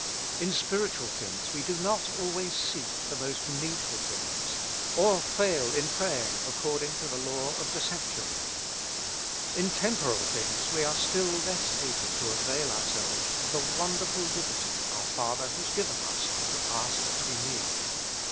In spiritual things we do not always seek the most needful things or fail in praying according to the law of the sanctuary. In temporal things we are still less able to avail our selves of the wonderful liberty our Father has given us to ask what we need.